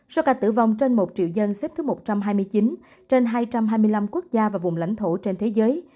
số ca tử vong trên một triệu dân xếp thứ một trăm hai mươi chín trên hai trăm hai mươi năm quốc gia và vùng lãnh thổ trên thế giới